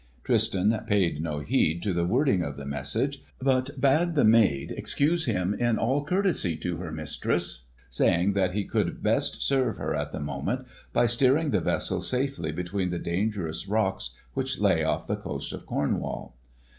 Tristan paid no heed to the wording of the message, but bade the maid excuse him in all courtesy to her mistress, saying that he could best serve her at that moment by steering the vessel safely between the dangerous rocks which lay off the coast of Cornwall.